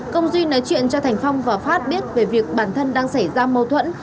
công duy nói chuyện cho thành phong và phát biết về việc bản thân đang xảy ra mâu thuẫn